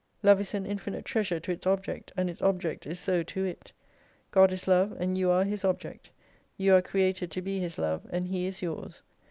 Love is an infinite treasure to its object, and its object is so to it. God is Love, and you are His object. You are created to be His Love : and He is yours.